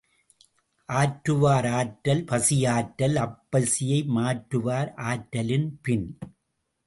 ஆற்றுவார் ஆற்றல் பசியாற்றல் அப்பசியை மாற்றுவார் ஆற்றலின் பின்.